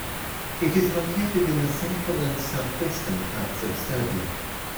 It is located in the central and south-western parts of Serbia.